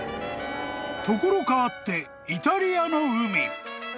［所変わってイタリアの海］